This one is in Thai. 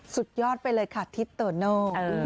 สุดยอดไปเลยค่ะทิศโตโน่